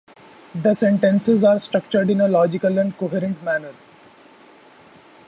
The sentences are structured in a logical and coherent manner.